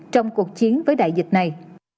trong cuộc chiến với đại dịch này